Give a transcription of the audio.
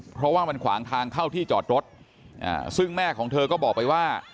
เพราะว่ามันขวางทางเข้าที่จอดรถซึ่งแม่ของเธอก็บอกไปว่า